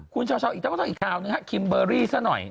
คุณชาวอีกคราวอีกคราวนะฮะคิมเบอรี่ซะหน่อยนะฮะ